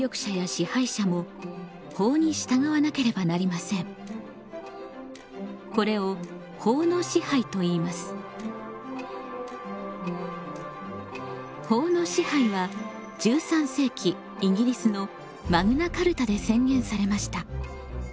皆さんも「法の支配」は１３世紀イギリスのマグナ・カルタで宣言されました。